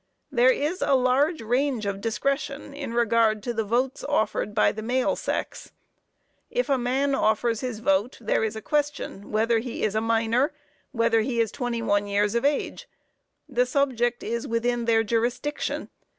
There is a large range of discretion in regard to the votes offered by the male sex. If a man offers his vote, there is a question whether he is a minor whether he is 21 years of age. The subject is within their jurisdiction.